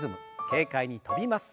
軽快に跳びます。